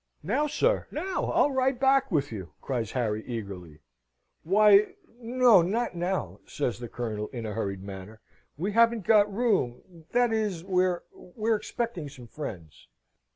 "Now, sir, now! I'll ride back with you!" cries Harry, eagerly. "Why no not now," says the Colonel, in a hurried manner. "We haven't got room that is, we're we're expecting some friends."